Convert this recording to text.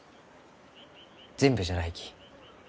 全部じゃないき。